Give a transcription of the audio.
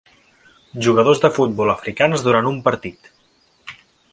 Jugadors de futbol africans durant un partit.